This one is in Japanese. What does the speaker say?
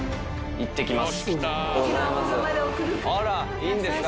いってきます